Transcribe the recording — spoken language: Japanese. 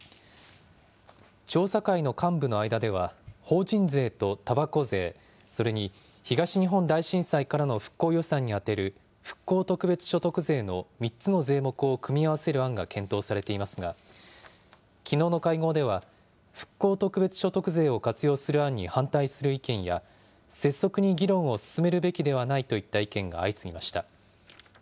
調査会の幹部の間では、法人税とたばこ税、それに東日本大震災からの復興予算に充てる復興特別所得税の３つの税目を組み合わせる案が検討されていますが、きのうの会合では、復興特別所得税を活用する案に反対する意見や、拙速に議論を進めるべきではないといった意見が相次ぎました。